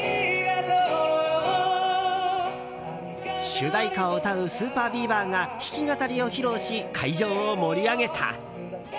主題歌を歌うＳＵＰＥＲＢＥＡＶＥＲが弾き語りを披露し会場を盛り上げた。